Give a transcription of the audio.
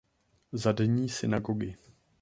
Zadní synagogy.